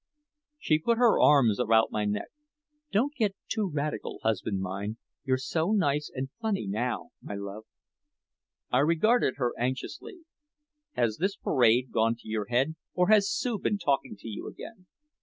She put her arms about my neck. "Don't get too radical, husband mine you're so nice and funny now, my love." I regarded her anxiously: "Has this parade gone to your head or has Sue been talking to you again?"